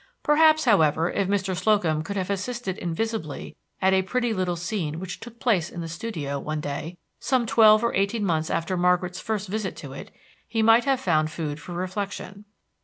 Perhaps, however, if Mr. Slocum could have assisted invisibly at a pretty little scene which took place in the studio, one day, some twelve or eighteen months after Margaret's first visit to it, he might have found food for reflection.